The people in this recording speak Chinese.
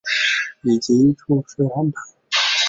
以及叙事安排